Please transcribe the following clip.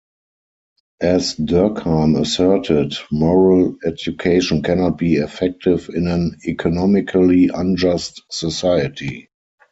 As Durkheim asserted, moral education cannot be effective in an economically unjust society.